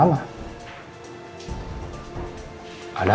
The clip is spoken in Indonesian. ada apa tante